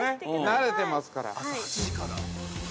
なれてますから。